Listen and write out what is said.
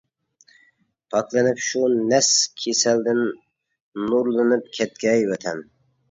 پاكلىنىپ شۇ نەس كېسەلدىن نۇرلىنىپ كەتكەي ۋەتەن!